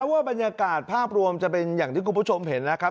ว่าบรรยากาศภาพรวมจะเป็นอย่างที่คุณผู้ชมเห็นนะครับ